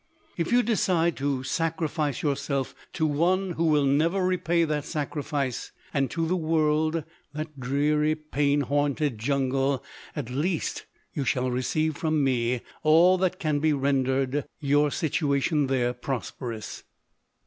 " If you decide to sacrifice yourself to one 184 LODORE. who will never repay that sacrifice, and to the world, — that dreary, pain haunted jungle, — at least you shall receive from me all that can ren der your situation there prosperous.